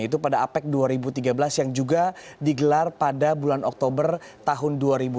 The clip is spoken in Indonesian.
yaitu pada apec dua ribu tiga belas yang juga digelar pada bulan oktober tahun dua ribu delapan belas